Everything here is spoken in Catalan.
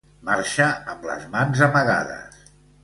Marxa amb les mans amagades.